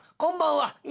「はい。